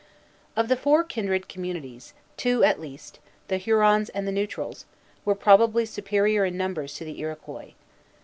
Of the four kindred communities, two at least, the Hurons and the Neutrals, were probably superior in numbers to the Iroquois.